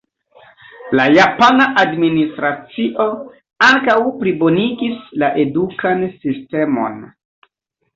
La japana administracio ankaŭ plibonigis la edukan sistemon.